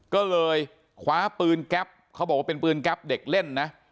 ก็เลยคว้าปืนแก๊ปเขาบอกว่าเป็นปืนแก๊ปเด็กเล่นนะ